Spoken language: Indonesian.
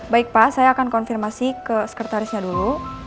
baik pak saya akan konfirmasi ke sekretarisnya dulu